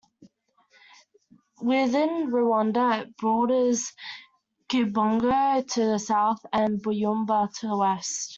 Within Rwanda it borders Kibungo to the south and Byumba to the west.